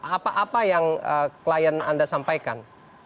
apa apa yang klien anda sampaikan